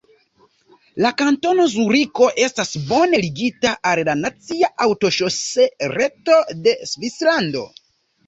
La Kantono Zuriko estas bone ligita al la nacia aŭtoŝose-reto de Svislando.